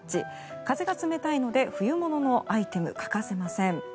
風が冷たいので冬物のアイテム欠かせません。